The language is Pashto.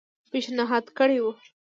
پېشنهاد کړی وو.